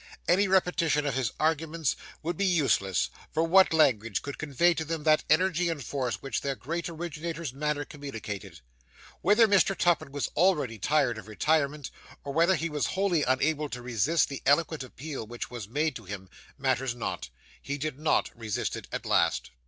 Any repetition of his arguments would be useless; for what language could convey to them that energy and force which their great originator's manner communicated? Whether Mr. Tupman was already tired of retirement, or whether he was wholly unable to resist the eloquent appeal which was made to him, matters not, he did _not _ resist it at last.